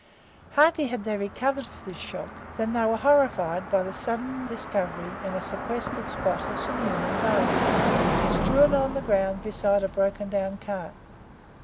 Hardly had they recovered this shock, than they were horrified by the sudden discovery in a sequestered spot of some human bones, strewn upon the ground beside a broken down cart.